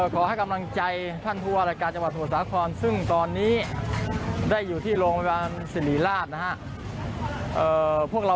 ขอให้กำลังใจท่านผู้ว่าระการจังหวัดสวทสาขร